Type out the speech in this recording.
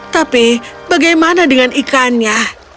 tapi bagaimana dengan ikannya